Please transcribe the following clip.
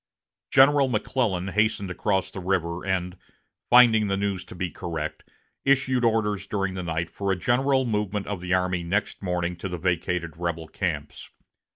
General McClellan hastened across the river, and, finding the news to be correct, issued orders during the night for a general movement of the army next morning to the vacated rebel camps.